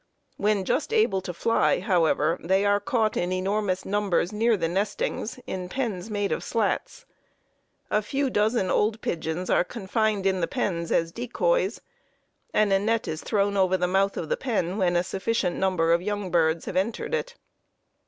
When just able to fly, however, they are caught in enormous numbers near the "nestings" in pens made of slats. A few dozen old pigeons are confined in the pens as decoys, and a net is thrown over the mouth of the pen when a sufficient number of young birds have entered it.